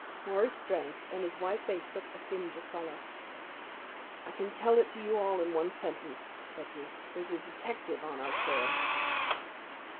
Morris drank, and his white face took a tinge of colour. "I can tell it to you all in one sentence," said he. "There's a detective on our trail."